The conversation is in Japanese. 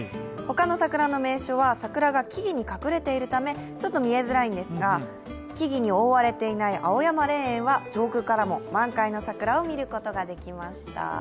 他の桜の名所は桜が木々に隠れているためちょっと見えづらいんですが、木々に覆われていない青山霊園は上空からも満開の桜を見ることができました。